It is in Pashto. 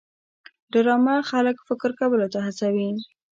ډرامه خلک فکر کولو ته هڅوي